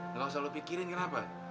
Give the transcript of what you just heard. gak usah lo pikirin kenapa